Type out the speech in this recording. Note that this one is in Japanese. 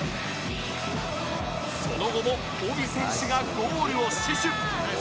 その後もオビ選手がゴールを死守